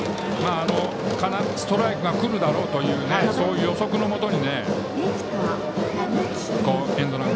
必ずストライクがくるだろうというそういう予測のもとにエンドラン。